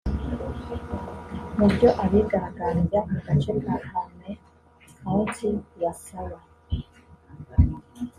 Mu byo abigaragambya mu gace ka Harney County basaba